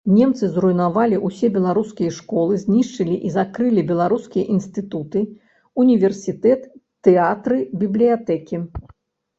Немцы зруйнавалі ўсе беларускія школы, знішчылі і закрылі беларускія інстытуты, універсітэт, тэатры, бібліятэкі.